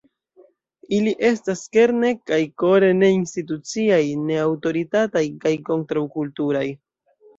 Ili estas, kerne kaj kore, ne-instituciaj, ne-aŭtoritataj, kaj kontraŭ-kulturaj.